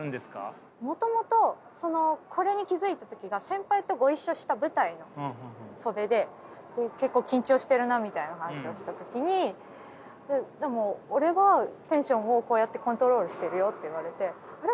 もともとそのこれに気付いた時が先輩とご一緒した舞台の袖で結構緊張してるなみたいな話をした時にでも俺はテンションをこうやってコントロールしてるよって言われてあれ？